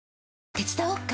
手伝おっか？